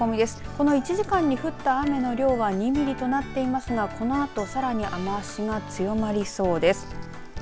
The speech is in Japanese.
この１時間に降った雨の量は２ミリとなっていますがこのあとさらに雨足が強まりそうです。